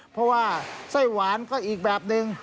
เพราะว่าไส้หวานก็อีกแบบนึง